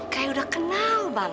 kayak udah kenal banget